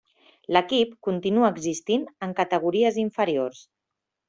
L'equip continua existint en categories inferiors.